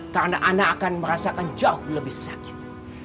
karena anak akan merasakan jauh lebih sakit